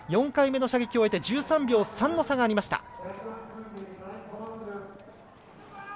４回目の射撃を終えて１３秒３の差がありました。